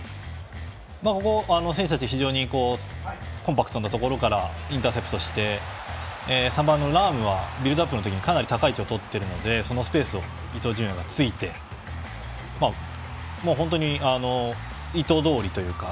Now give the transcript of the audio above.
ここは選手たちは非常にコンパクトなところからインターセプトして３番のラウムはビルドアップの時かなり高い位置をとっているのでそのスペースを伊東純也がついて本当に意図どおりというか。